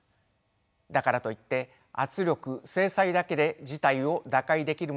だからといって圧力制裁だけで事態を打開できるものでもありません。